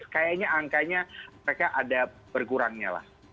kayaknya angkanya mereka ada berkurangnya lah